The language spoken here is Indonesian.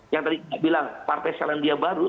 yang tadi kita bilang partai selandia baru